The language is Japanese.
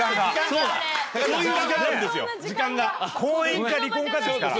婚姻か離婚かですから。